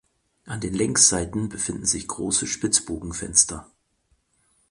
An den Längsseiten befinden sich große Spitzbogenfenster.